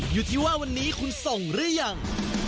อยู่ที่ว่าวันนี้คุณส่งหรือยัง